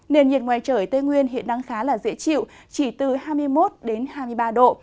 nền nhiệt ngoài trời ở tây nguyên hiện đang khá là dễ chịu chỉ từ hai mươi một hai mươi ba độ